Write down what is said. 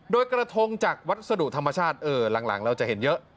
โดยกระทงจากวัสดุธรรมชาติหลังเราจะเห็นเยอะ